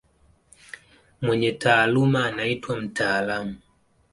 Mwenye taaluma anaitwa mtaalamu.